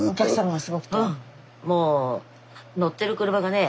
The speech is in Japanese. もう乗ってる車がね